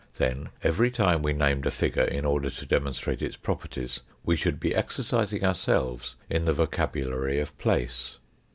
Then every time we named a figure in order to demonstrate its properties we should be exercising ourselves in the vocabulary of place.